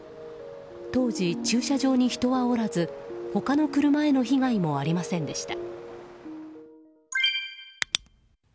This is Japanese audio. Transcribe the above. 当時、駐車場に人はおらず他の車への被害もありませんでした。